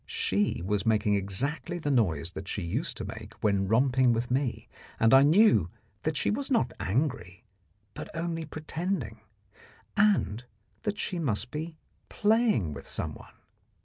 She was making exactly the noise that she used to make when romping with me, and I knew that she was not angry, but only pretending, and that she must be playing with someone.